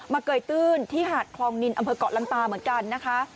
เกยตื้นที่หาดคลองนินอำเภอกเกาะลันตาเหมือนกันนะคะ